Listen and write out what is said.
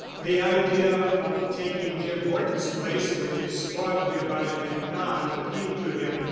The idea of taking Jim Horton's place with his squad nearby did not appeal to him.